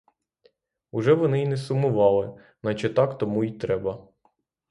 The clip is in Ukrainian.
Уже вони й не сумували — наче так тому й треба!